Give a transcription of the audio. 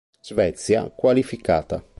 Svezia qualificata.